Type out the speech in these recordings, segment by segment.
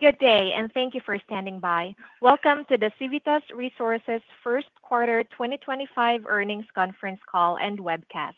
Good day, and thank you for standing by. Welcome to the Civitas Resources First Quarter 2025 Earnings Conference Call and Webcast.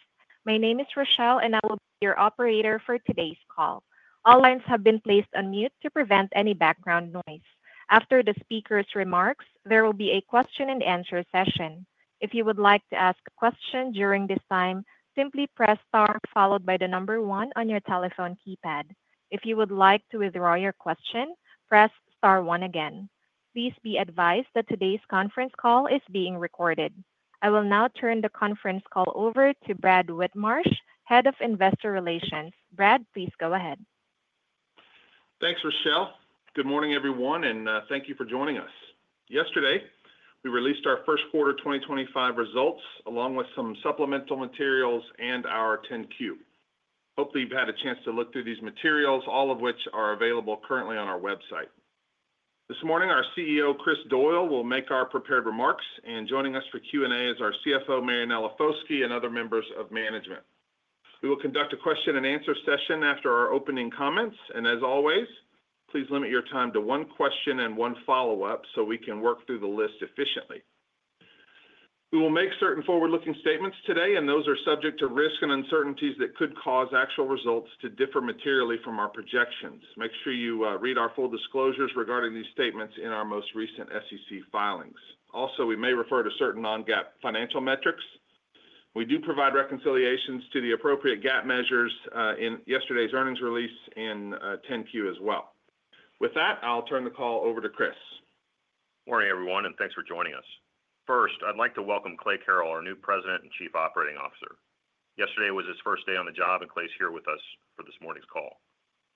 My name is Rochelle, and I will be your operator for today's call. All lines have been placed on mute to prevent any background noise. After the speaker's remarks, there will be a question-and-answer session. If you would like to ask a question during this time, simply press star followed by the number one on your telephone keypad. If you would like to withdraw your question, press star one again. Please be advised that today's conference call is being recorded. I will now turn the conference call over to Brad Whitmarsh, Head of Investor Relations. Brad, please go ahead. Thanks, Rochelle. Good morning, everyone, and thank you for joining us. Yesterday, we released our First Quarter 2025 results along with some supplemental materials and our 10-Q. Hopefully, you've had a chance to look through these materials, all of which are available currently on our website. This morning, our CEO, Chris Doyle, will make our prepared remarks, and joining us for Q&A is our CFO, Marianella Foschi, and other members of management. We will conduct a question-and-answer session after our opening comments, and as always, please limit your time to one question and one follow-up so we can work through the list efficiently. We will make certain forward-looking statements today, and those are subject to risk and uncertainties that could cause actual results to differ materially from our projections. Make sure you read our full disclosures regarding these statements in our most recent SEC filings. Also, we may refer to certain non-GAAP financial metrics. We do provide reconciliations to the appropriate GAAP measures in yesterday's earnings release and 10-Q as well. With that, I'll turn the call over to Chris. Morning, everyone, and thanks for joining us. First, I'd like to welcome Clay Carrell, our new President and Chief Operating Officer. Yesterday was his first day on the job, and Clay's here with us for this morning's call.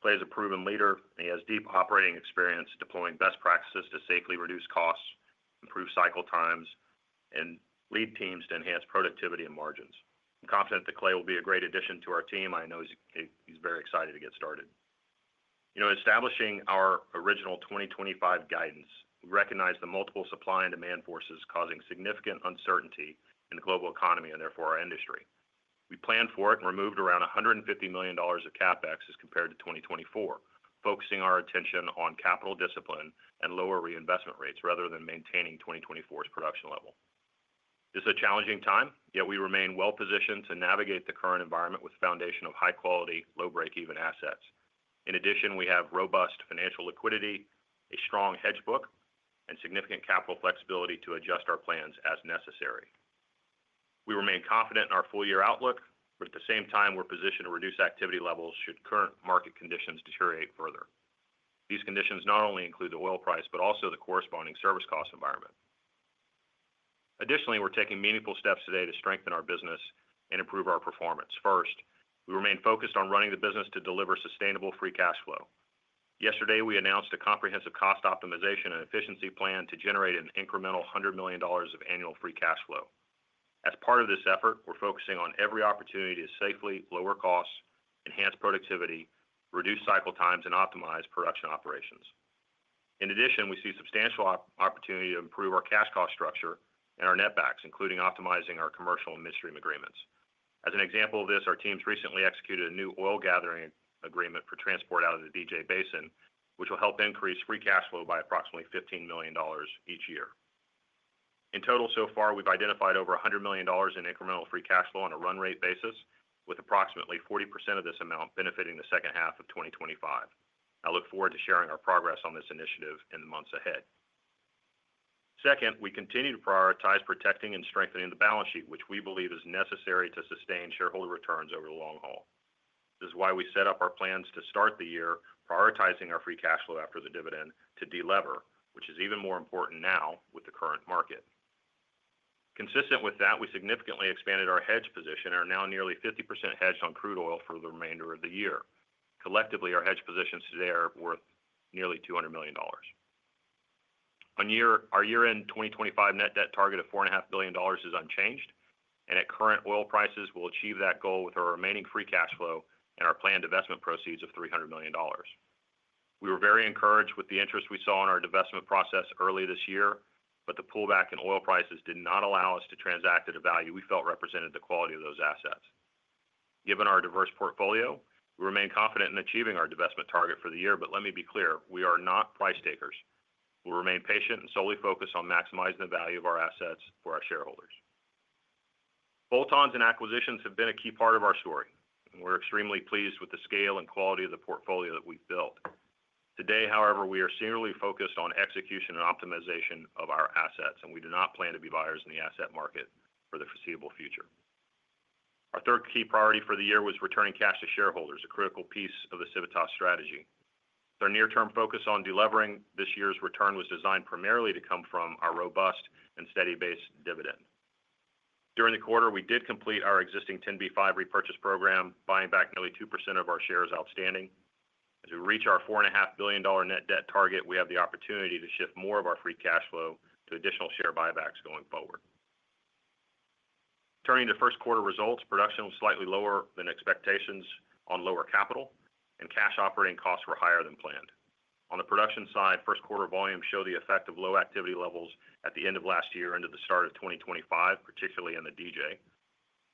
Clay is a proven leader, and he has deep operating experience deploying best practices to safely reduce costs, improve cycle times, and lead teams to enhance productivity and margins. I'm confident that Clay will be a great addition to our team. I know he's very excited to get started. You know, establishing our original 2025 guidance, we recognize the multiple supply and demand forces causing significant uncertainty in the global economy and therefore our industry. We planned for it and removed around $150 million of CapEx as compared to 2024, focusing our attention on capital discipline and lower reinvestment rates rather than maintaining 2024's production level. This is a challenging time, yet we remain well-positioned to navigate the current environment with a foundation of high-quality, low-break-even assets. In addition, we have robust financial liquidity, a strong hedge book, and significant capital flexibility to adjust our plans as necessary. We remain confident in our full-year outlook, but at the same time, we're positioned to reduce activity levels should current market conditions deteriorate further. These conditions not only include the oil price but also the corresponding service cost environment. Additionally, we're taking meaningful steps today to strengthen our business and improve our performance. First, we remain focused on running the business to deliver sustainable free cash flow. Yesterday, we announced a comprehensive cost optimization and efficiency plan to generate an incremental $100 million of annual free cash flow. As part of this effort, we're focusing on every opportunity to safely lower costs, enhance productivity, reduce cycle times, and optimize production operations. In addition, we see substantial opportunity to improve our cash cost structure and our net backs, including optimizing our commercial and midstream agreements. As an example of this, our teams recently executed a new oil gathering agreement for transport out of the DJ Basin, which will help increase free cash flow by approximately $15 million each year. In total, so far, we've identified over $100 million in incremental free cash flow on a run-rate basis, with approximately 40% of this amount benefiting the second half of 2025. I look forward to sharing our progress on this initiative in the months ahead. Second, we continue to prioritize protecting and strengthening the balance sheet, which we believe is necessary to sustain shareholder returns over the long haul. This is why we set up our plans to start the year prioritizing our free cash flow after the dividend to delever, which is even more important now with the current market. Consistent with that, we significantly expanded our hedge position and are now nearly 50% hedged on crude oil for the remainder of the year. Collectively, our hedge positions today are worth nearly $200 million. Our year-end 2025 net debt target of $4.5 billion is unchanged, and at current oil prices, we'll achieve that goal with our remaining free cash flow and our planned investment proceeds of $300 million. We were very encouraged with the interest we saw in our divestment process early this year, but the pullback in oil prices did not allow us to transact at a value we felt represented the quality of those assets. Given our diverse portfolio, we remain confident in achieving our divestment target for the year, but let me be clear, we are not price takers. We'll remain patient and solely focus on maximizing the value of our assets for our shareholders. Bolt-ons and acquisitions have been a key part of our story, and we're extremely pleased with the scale and quality of the portfolio that we've built. Today, however, we are singularly focused on execution and optimization of our assets, and we do not plan to be buyers in the asset market for the foreseeable future. Our third key priority for the year was returning cash to shareholders, a critical piece of the Civitas strategy. Our near-term focus on delivering this year's return was designed primarily to come from our robust and steady base dividend. During the quarter, we did complete our existing 10b5 repurchase program, buying back nearly 2% of our shares outstanding. As we reach our $4.5 billion net debt target, we have the opportunity to shift more of our free cash flow to additional share buybacks going forward. Turning to first-quarter results, production was slightly lower than expectations on lower capital, and cash operating costs were higher than planned. On the production side, first-quarter volumes showed the effect of low activity levels at the end of last year into the start of 2024, particularly in the DJ.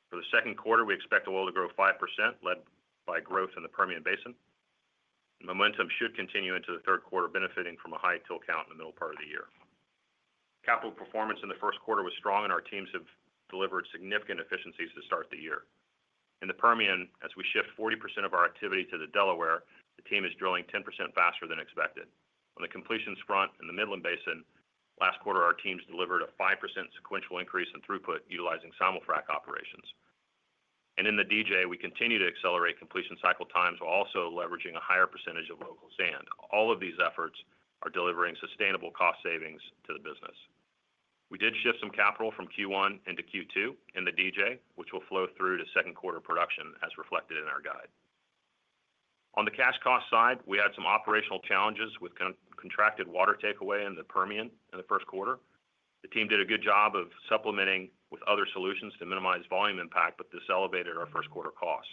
For the second quarter, we expect oil to grow 5%, led by growth in the Permian Basin. Momentum should continue into the third quarter, benefiting from a high TIL count in the middle part of the year. Capital performance in the first quarter was strong, and our teams have delivered significant efficiencies to start the year. In the Permian, as we shift 40% of our activity to the Delaware, the team is drilling 10% faster than expected. On the completions front in the Midland Basin, last quarter, our teams delivered a 5% sequential increase in throughput utilizing simul frac operations. In the DJ, we continue to accelerate completion cycle times while also leveraging a higher percentage of local sand. All of these efforts are delivering sustainable cost savings to the business. We did shift some capital from Q1 into Q2 in the DJ, which will flow through to second-quarter production as reflected in our guide. On the cash cost side, we had some operational challenges with contracted water takeaway in the Permian in the first quarter. The team did a good job of supplementing with other solutions to minimize volume impact, but this elevated our first-quarter costs.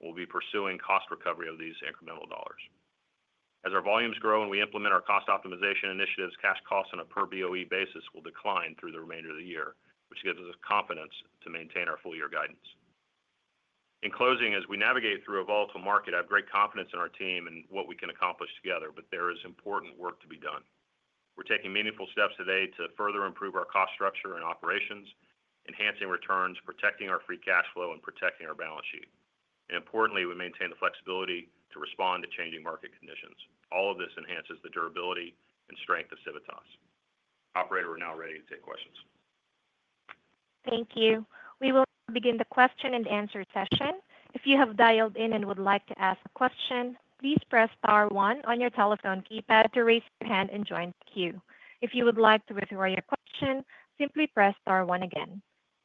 We'll be pursuing cost recovery of these incremental dollars. As our volumes grow and we implement our cost optimization initiatives, cash costs on a per BOE basis will decline through the remainder of the year, which gives us confidence to maintain our full-year guidance. In closing, as we navigate through a volatile market, I have great confidence in our team and what we can accomplish together, but there is important work to be done. We're taking meaningful steps today to further improve our cost structure and operations, enhancing returns, protecting our free cash flow, and protecting our balance sheet. Importantly, we maintain the flexibility to respond to changing market conditions. All of this enhances the durability and strength of Civitas. Operator, we're now ready to take questions. Thank you. We will now begin the question-and-answer session. If you have dialed in and would like to ask a question, please press star one on your telephone keypad to raise your hand and join the queue. If you would like to withdraw your question, simply press star one again.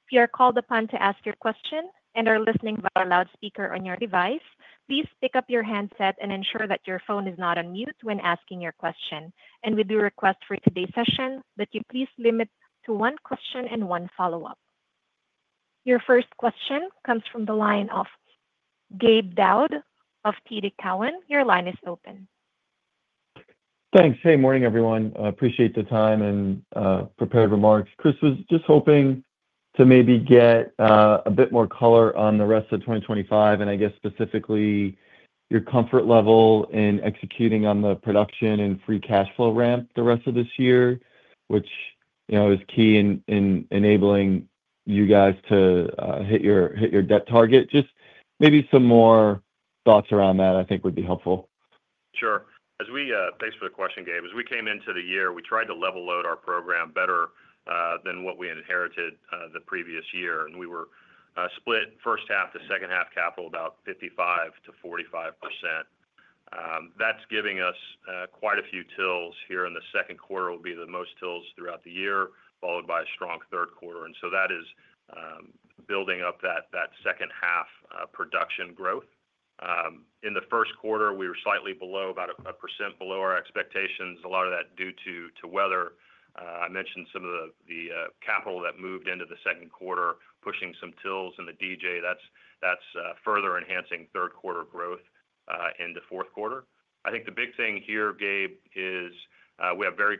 If you are called upon to ask your question and are listening via loudspeaker on your device, please pick up your handset and ensure that your phone is not on mute when asking your question. We do request for today's session that you please limit to one question and one follow-up. Your first question comes from the line of Gabe Daoud of TD Cowen. Your line is open. Thanks. Hey, morning, everyone. Appreciate the time and prepared remarks. Chris, was just hoping to maybe get a bit more color on the rest of 2025, and I guess specifically your comfort level in executing on the production and free cash flow ramp the rest of this year, which is key in enabling you guys to hit your debt target. Just maybe some more thoughts around that, I think, would be helpful. Sure. Thanks for the question, Gabe. As we came into the year, we tried to level load our program better than what we inherited the previous year. We were split first half to second half capital about 55% to 45%. That is giving us quite a few TILs here. In the second quarter, it will be the most TILs throughout the year, followed by a strong third quarter. That is building up that second half production growth. In the first quarter, we were slightly below, about 1% below our expectations. A lot of that due to weather. I mentioned some of the capital that moved into the second quarter, pushing some TILs in the DJ. That is further enhancing third quarter growth into fourth quarter. I think the big thing here, Gabe, is we have very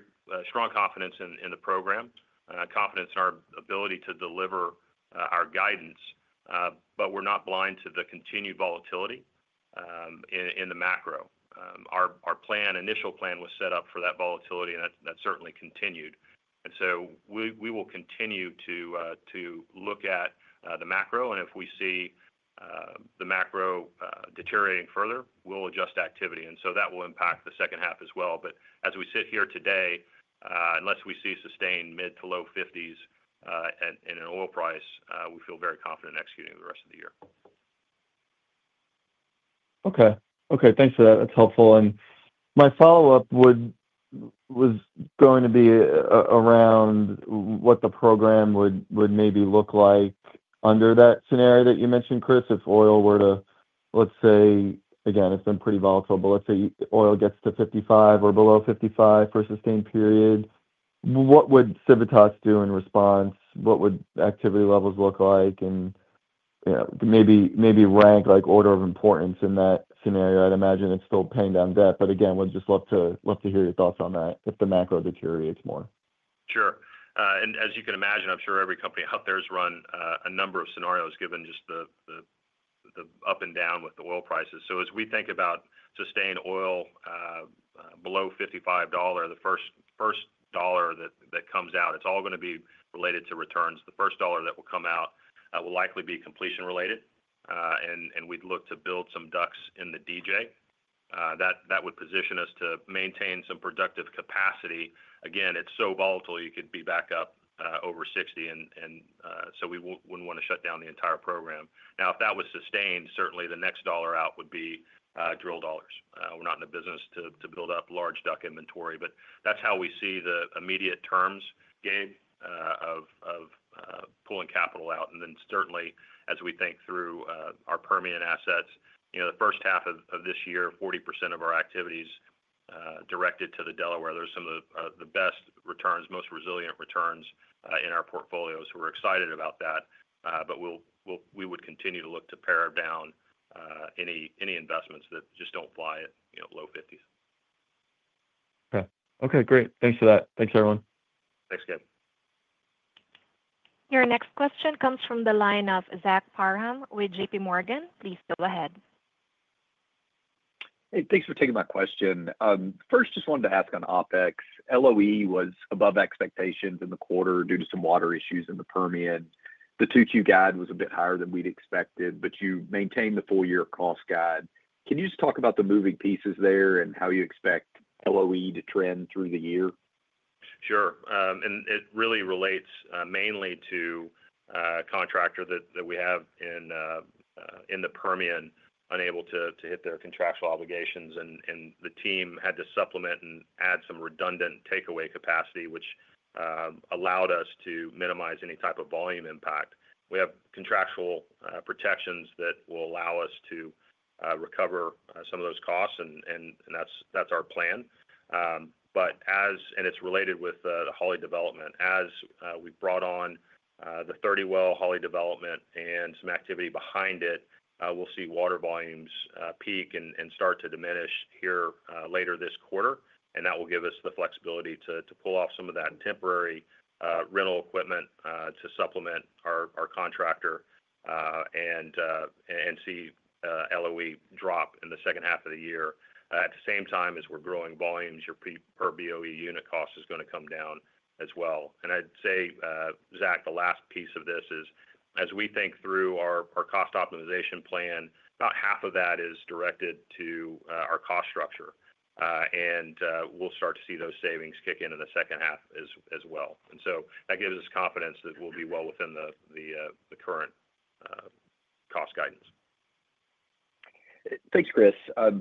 strong confidence in the program, confidence in our ability to deliver our guidance, but we're not blind to the continued volatility in the macro. Our initial plan was set up for that volatility, and that certainly continued. We will continue to look at the macro, and if we see the macro deteriorating further, we'll adjust activity. That will impact the second half as well. As we sit here today, unless we see sustained mid to low $50s in an oil price, we feel very confident in executing the rest of the year. Okay. Okay. Thanks for that. That's helpful. My follow-up was going to be around what the program would maybe look like under that scenario that you mentioned, Chris, if oil were to, let's say, again, it's been pretty volatile, but let's say oil gets to $55 or below $55 for a sustained period. What would Civitas do in response? What would activity levels look like? Maybe rank order of importance in that scenario. I'd imagine it's still paying down debt, but again, would just love to hear your thoughts on that if the macro deteriorates more. Sure. As you can imagine, I'm sure every company out there has run a number of scenarios given just the up and down with the oil prices. As we think about sustained oil below $55, the first dollar that comes out, it's all going to be related to returns. The first dollar that will come out will likely be completion-related, and we'd look to build some DUCs in the DJ. That would position us to maintain some productive capacity. Again, it's so volatile, you could be back up over 60, and we wouldn't want to shut down the entire program. If that was sustained, certainly the next dollar out would be drill dollars. We're not in the business to build up large duck inventory, but that's how we see the immediate terms, Gabe, of pulling capital out. As we think through our Permian assets, the first half of this year, 40% of our activity is directed to the Delaware. There are some of the best returns, most resilient returns in our portfolio, so we're excited about that, but we would continue to look to pare down any investments that just don't fly at low $50s. Okay. Okay. Great. Thanks for that. Thanks, everyone. Thanks, Gabe. Your next question comes from the line of Zach Parham with JPMorgan. Please go ahead. Hey, thanks for taking my question. First, just wanted to ask on OpEx. LOE was above expectations in the quarter due to some water issues in the Permian. The 2Q guide was a bit higher than we'd expected, but you maintained the full-year cost guide. Can you just talk about the moving pieces there and how you expect LOE to trend through the year? Sure. It really relates mainly to a contractor that we have in the Permian unable to hit their contractual obligations, and the team had to supplement and add some redundant takeaway capacity, which allowed us to minimize any type of volume impact. We have contractual protections that will allow us to recover some of those costs, and that's our plan. It is related with the Holly Development. As we've brought on the 30 well Holly Development and some activity behind it, we'll see water volumes peak and start to diminish here later this quarter, and that will give us the flexibility to pull off some of that temporary rental equipment to supplement our contractor and see LOE drop in the second half of the year. At the same time as we're growing volumes, your per BOE unit cost is going to come down as well. I'd say, Zach, the last piece of this is, as we think through our cost optimization plan, about half of that is directed to our cost structure, and we'll start to see those savings kick in in the second half as well. That gives us confidence that we'll be well within the current cost guidance. Thanks, Chris.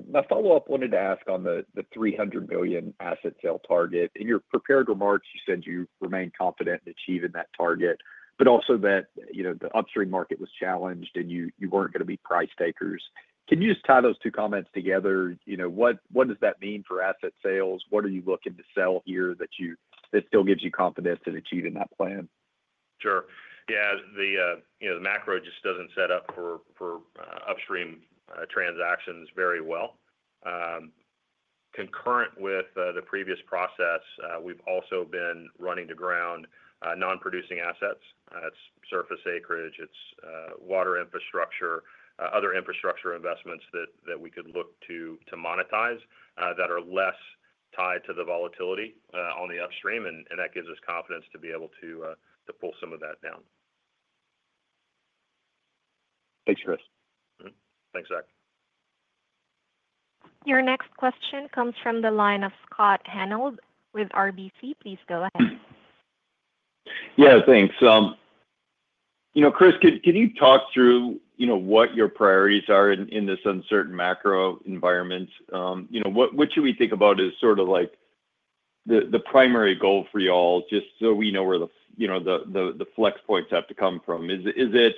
My follow-up wanted to ask on the $300 million asset sale target. In your prepared remarks, you said you remained confident in achieving that target, but also that the upstream market was challenged and you were not going to be price takers. Can you just tie those two comments together? What does that mean for asset sales? What are you looking to sell here that still gives you confidence in achieving that plan? Sure. Yeah. The macro just doesn't set up for upstream transactions very well. Concurrent with the previous process, we've also been running to ground non-producing assets. It's surface acreage. It's water infrastructure, other infrastructure investments that we could look to monetize that are less tied to the volatility on the upstream, and that gives us confidence to be able to pull some of that down. Thanks, Chris. Thanks, Zach. Your next question comes from the line of Scott Hanold with RBC. Please go ahead. Yeah, thanks. Chris, can you talk through what your priorities are in this uncertain macro environment? What should we think about as sort of like the primary goal for y'all, just so we know where the flex points have to come from? Is it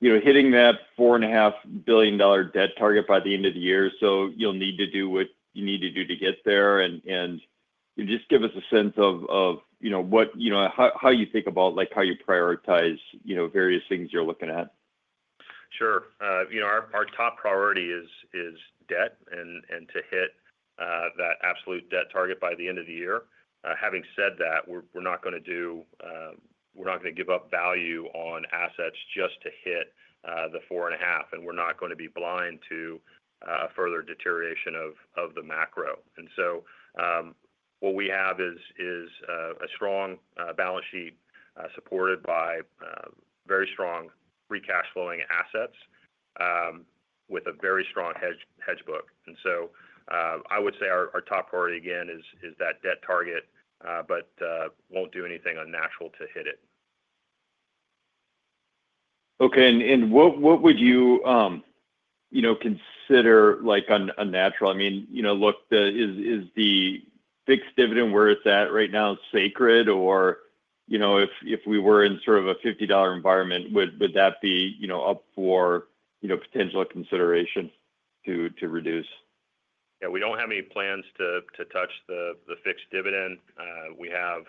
hitting that $4.5 billion debt target by the end of the year? You will need to do what you need to do to get there. Just give us a sense of how you think about how you prioritize various things you're looking at. Sure. Our top priority is debt and to hit that absolute debt target by the end of the year. Having said that, we're not going to give up value on assets just to hit the $4.5 billion, and we're not going to be blind to further deterioration of the macro. What we have is a strong balance sheet supported by very strong free cash flowing assets with a very strong hedge book. I would say our top priority, again, is that debt target, but won't do anything unnatural to hit it. Okay. And what would you consider unnatural? I mean, look, is the fixed dividend where it's at right now sacred? Or if we were in sort of a $50 environment, would that be up for potential consideration to reduce? Yeah. We do not have any plans to touch the fixed dividend. We have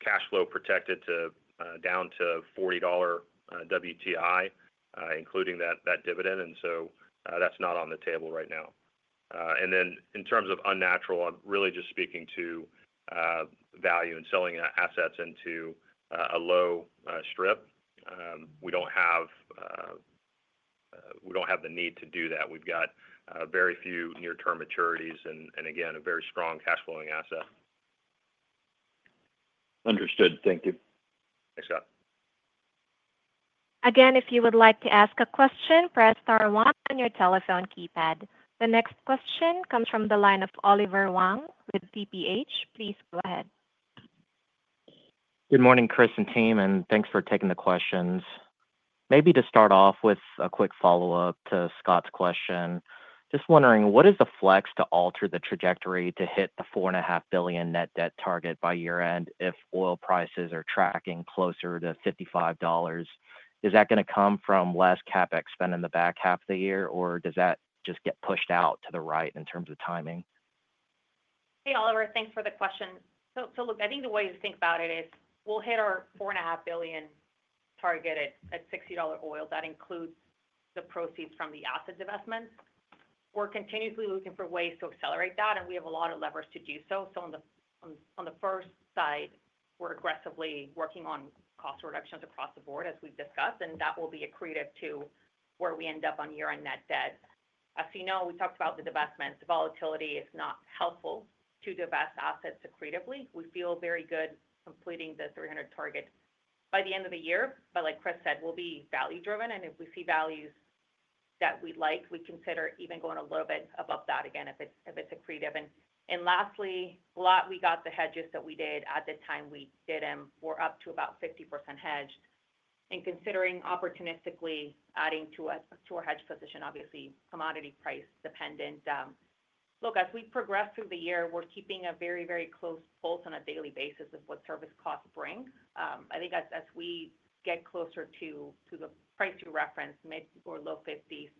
cash flow protected down to $40 WTI, including that dividend, and that is not on the table right now. In terms of unnatural, I am really just speaking to value and selling assets into a low strip. We do not have the need to do that. We have very few near-term maturities and, again, a very strong cash flowing asset. Understood. Thank you. Thanks, Scott. Again, if you would like to ask a question, press star one on your telephone keypad. The next question comes from the line of Oliver Huang with TPH Please go ahead. Good morning, Chris and team, and thanks for taking the questions. Maybe to start off with a quick follow-up to Scott's question, just wondering, what is the flex to alter the trajectory to hit the $4.5 billion net debt target by year-end if oil prices are tracking closer to $55? Is that going to come from less CapEx spent in the back half of the year, or does that just get pushed out to the right in terms of timing? Hey, Oliver, thanks for the question. I think the way to think about it is we'll hit our $4.5 billion target at $60 oil. That includes the proceeds from the asset divestment. We're continuously looking for ways to accelerate that, and we have a lot of levers to do so. On the first side, we're aggressively working on cost reductions across the board, as we've discussed, and that will be accretive to where we end up on year-end net debt. As you know, we talked about the divestment. The volatility is not helpful to divest assets accretively. We feel very good completing the $300 million target by the end of the year. Like Chris said, we'll be value-driven, and if we see values that we like, we consider even going a little bit above that again if it's accretive. Lastly, a lot we got the hedges that we did at the time we did them. We're up to about 50% hedged. And considering opportunistically adding to our hedge position, obviously, commodity price dependent. Look, as we progress through the year, we're keeping a very, very close pulse on a daily basis of what service costs bring. I think as we get closer to the price you referenced, mid or low 50s,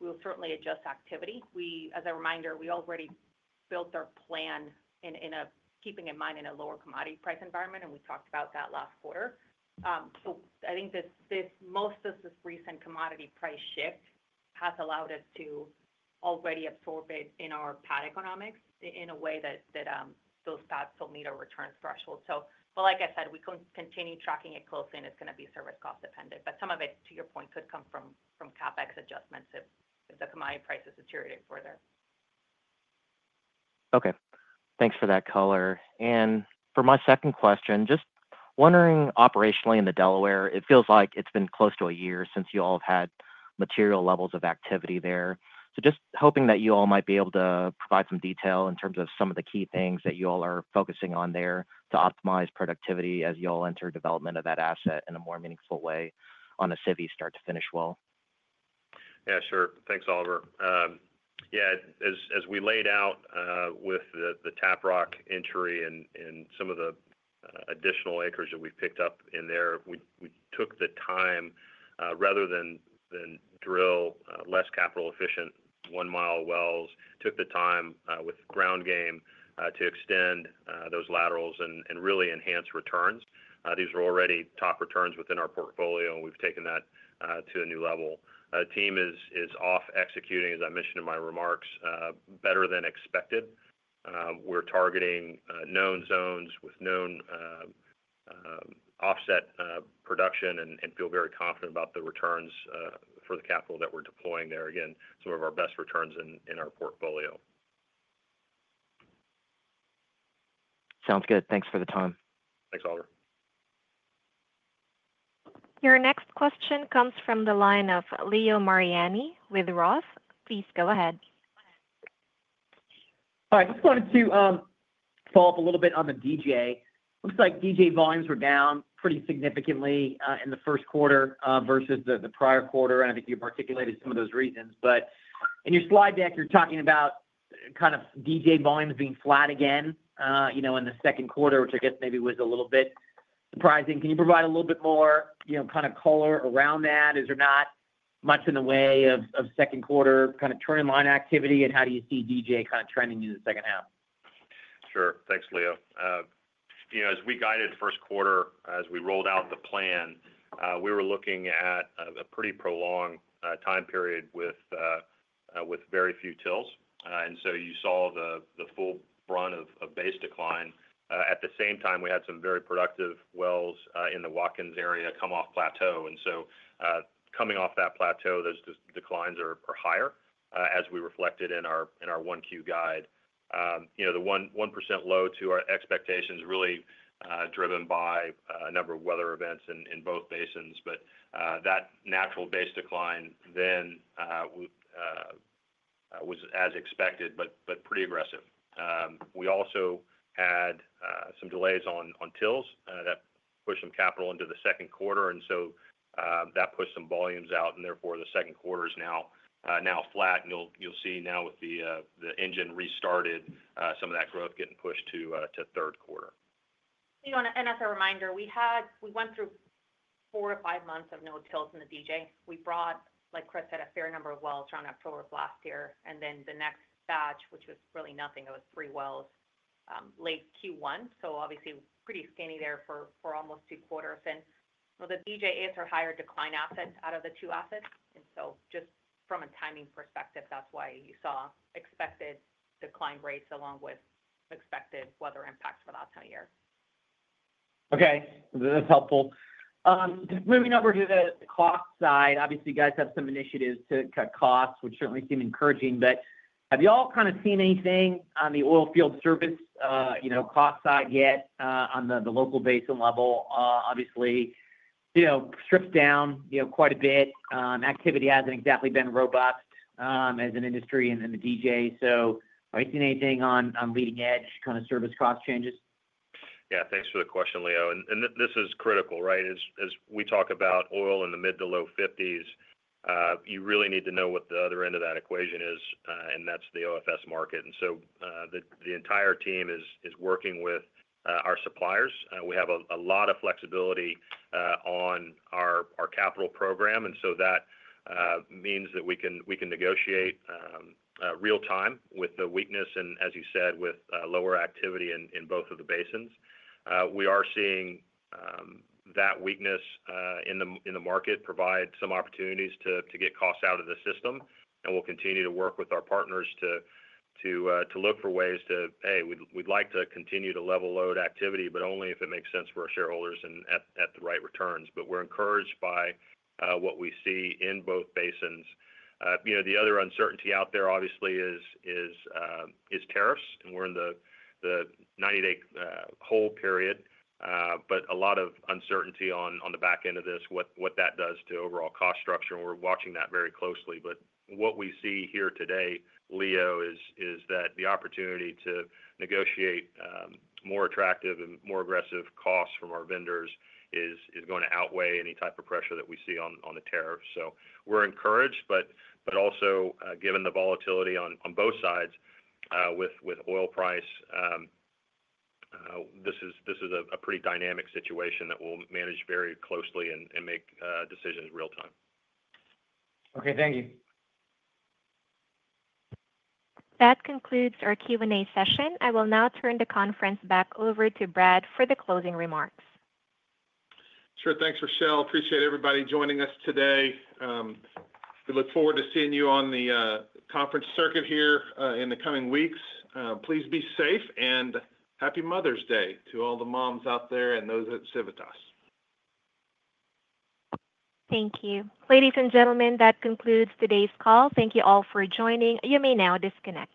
we'll certainly adjust activity. As a reminder, we already built our plan in keeping in mind in a lower commodity price environment, and we talked about that last quarter. I think most of this recent commodity price shift has allowed us to already absorb it in our pad economics in a way that those PATs will meet our returns threshold. Like I said, we continue tracking it closely, and it's going to be service cost dependent. Some of it, to your point, could come from CapEx adjustments if the commodity prices deteriorate further. Okay. Thanks for that color. For my second question, just wondering operationally in the Delaware, it feels like it's been close to a year since you all have had material levels of activity there. Just hoping that you all might be able to provide some detail in terms of some of the key things that you all are focusing on there to optimize productivity as you all enter development of that asset in a more meaningful way on a city start to finish well. Yeah, sure. Thanks, Oliver. Yeah. As we laid out with the Tap Rock entry and some of the additional acres that we've picked up in there, we took the time rather than drill less capital-efficient one-mile wells, took the time with ground game to extend those laterals and really enhance returns. These were already top returns within our portfolio, and we've taken that to a new level. Team is off executing, as I mentioned in my remarks, better than expected. We're targeting known zones with known offset production and feel very confident about the returns for the capital that we're deploying there. Again, some of our best returns in our portfolio. Sounds good. Thanks for the time. Thanks, Oliver. Your next question comes from the line of Leo Mariani with Roth. Please go ahead. Hi. I just wanted to follow up a little bit on the DJ. Looks like DJ volumes were down pretty significantly in the first quarter versus the prior quarter, and I think you've articulated some of those reasons. In your slide deck, you're talking about kind of DJ volumes being flat again in the second quarter, which I guess maybe was a little bit surprising. Can you provide a little bit more kind of color around that? Is there not much in the way of second quarter kind of turn-in line activity, and how do you see DJ kind of trending in the second half? Sure. Thanks, Leo. As we guided first quarter, as we rolled out the plan, we were looking at a pretty prolonged time period with very few TILs. You saw the full brunt of base decline. At the same time, we had some very productive wells in the Watkins area come off plateau. Coming off that plateau, those declines are higher as we reflected in our 1Q guide. The 1% low to our expectations was really driven by a number of weather events in both basins, but that natural base decline then was as expected, but pretty aggressive. We also had some delays on TILs that pushed some capital into the second quarter, and that pushed some volumes out, and therefore the second quarter is now flat. You will see now with the engine restarted, some of that growth getting pushed to third quarter. As a reminder, we went through four to five months of no TILs in the DJ. We brought, like Chris said, a fair number of wells around October of last year, and then the next batch, which was really nothing, it was three wells, late Q1. Obviously, pretty skinny there for almost two quarters. The DJ is our higher decline asset out of the two assets. Just from a timing perspective, that's why you saw expected decline rates along with expected weather impacts for the outcome year. Okay. That's helpful. Moving over to the cost side, obviously, you guys have some initiatives to cut costs, which certainly seem encouraging, but have you all kind of seen anything on the oil field service cost side yet on the local basin level? Obviously, stripped down quite a bit. Activity hasn't exactly been robust as an industry and the DJ. Are you seeing anything on leading edge kind of service cost changes? Yeah. Thanks for the question, Leo. And this is critical, right? As we talk about oil in the mid to low $50s, you really need to know what the other end of that equation is, and that's the OFS market. The entire team is working with our suppliers. We have a lot of flexibility on our capital program, and that means that we can negotiate real-time with the weakness, and as you said, with lower activity in both of the basins. We are seeing that weakness in the market provide some opportunities to get costs out of the system, and we'll continue to work with our partners to look for ways to, "Hey, we'd like to continue to level load activity, but only if it makes sense for our shareholders and at the right returns." We're encouraged by what we see in both basins. The other uncertainty out there, obviously, is tariffs, and we're in the 90-day hold period, but a lot of uncertainty on the back end of this, what that does to overall cost structure. We're watching that very closely. What we see here today, Leo, is that the opportunity to negotiate more attractive and more aggressive costs from our vendors is going to outweigh any type of pressure that we see on the tariffs. We're encouraged, but also given the volatility on both sides with oil price, this is a pretty dynamic situation that we'll manage very closely and make decisions real-time. Okay. Thank you. That concludes our Q&A session. I will now turn the conference back over to Brad for the closing remarks. Sure. Thanks, Rochelle. Appreciate everybody joining us today. We look forward to seeing you on the conference circuit here in the coming weeks. Please be safe, and happy Mother's Day to all the moms out there and those at Civitas. Thank you. Ladies and gentlemen, that concludes today's call. Thank you all for joining. You may now disconnect.